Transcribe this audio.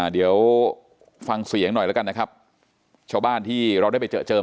เดี๋ยวฟังเสียงหน่อยแล้วกันนะครับชาวบ้านที่เราได้ไปเจอเจิม